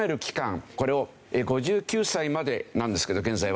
これを５９歳までなんですけど現在は。